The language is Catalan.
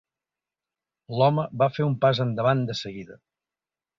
L'home va fer un pas endavant de seguida.